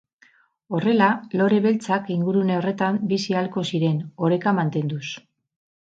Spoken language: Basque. Horrela, lore beltzak ingurune horretan bizi ahalko ziren, oreka mantenduz.